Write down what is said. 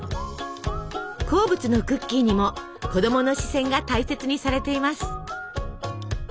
好物のクッキーにも子供の視線が大切にされています。